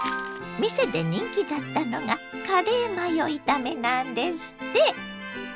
店で人気だったのがカレーマヨ炒めなんですって。